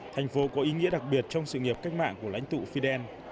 thành phố có ý nghĩa đặc biệt trong sự nghiệp cách mạng của lãnh tụ fidel